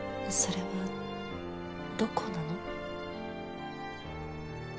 それはどこなの？